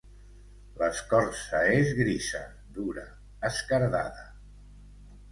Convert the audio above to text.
L'escorça és grisa, dura, esquerdada.